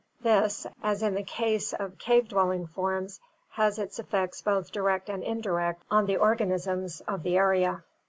This, as in the case of cave dwelling forms, has its effects both direct and indirect on the organisms of the 4gep.